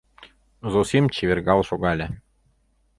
Зосим чевергал шогале.